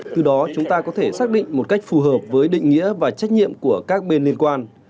từ đó chúng ta có thể xác định một cách phù hợp với định nghĩa và trách nhiệm của các bên liên quan